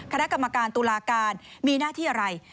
คณะกรรมการตุลาการมีหน้าที่อะไร